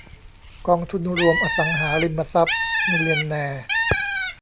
กองทุนรวมอสังหาริมทรัพย์มิลเลียนแนร์